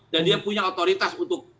dan dia punya otoritas untuk